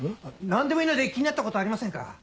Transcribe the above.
何でもいいので気になったことありませんか？